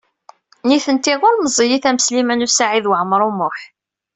Nitenti ur meẓẓiyit am Sliman U Saɛid Waɛmaṛ U Muḥ.